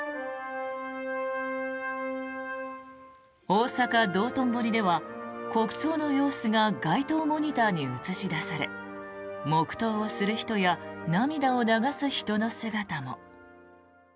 大阪・道頓堀では国葬の様子が街頭モニターに映し出され黙祷をする人や涙を流す人の姿も。